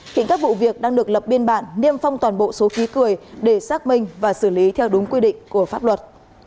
hiện các vụ việc đang được lập biên bản niêm phong toàn bộ số khí cười để xác minh và xử lý theo đúng quy định của pháp luật